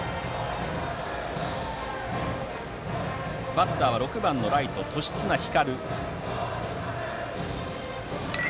バッターは６番ライト年綱皓。